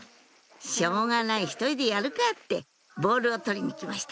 「しょうがない１人でやるか」ってボールを取りに来ました